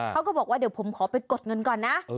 เขาก็บอกว่าเดี๋ยวผมขอไปกดเงินก่อนนะ